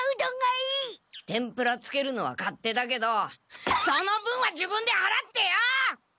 天ぷらつけるのは勝手だけどその分は自分ではらってよ！